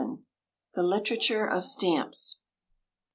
The Literature of Stamps.